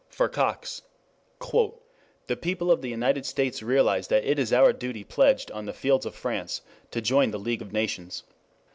For Cox: "The people of the United States realize that it is our duty pledged on the fields of France, to join the League of Nations.